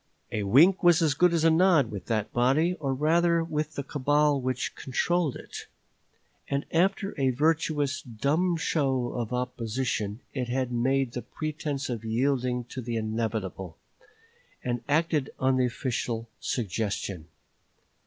A wink was as good as a nod with that body, or rather with the cabal which controlled it; and after a virtuous dumb show of opposition, it made a pretense of yielding to the inevitable, and acted on the official suggestion.